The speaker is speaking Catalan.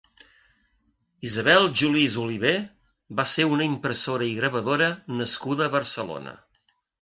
Isabel Jolís Oliver va ser una impressora i gravadora nascuda a Barcelona.